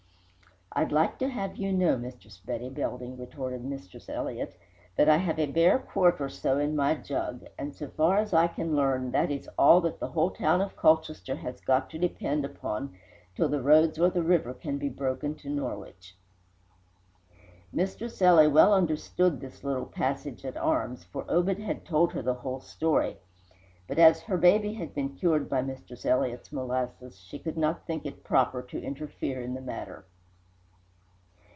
"I'd have you to know, Mistress Betty Belding," retorted Mistress Elliott, "that I have a bare quart or so in my jug, and, so far as I can learn, that is all that the whole town of Colchester has got to depend upon till the roads or the river can be broken to Norwich." Mistress Ely well understood this little passage at arms, for Obed had told her the whole story; but as her baby had been cured by Mistress Elliott's molasses, she did not think it proper to interfere in the matter.